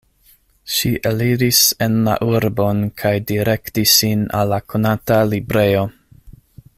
Ŝi eliris en la urbon kaj direktis sin al la konata librejo.